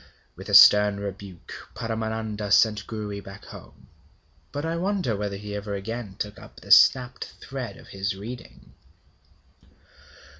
With a stern rebuke, Paramananda sent Gouri back home. But I wonder whether he ever again took up the snapped thread of his reading.